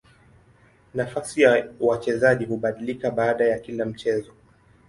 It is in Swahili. Nafasi ya wachezaji hubadilika baada ya kila mchezo.